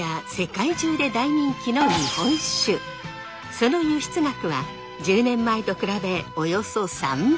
その輸出額は１０年前と比べおよそ３倍。